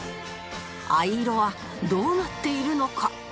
藍色はどうなっているのか？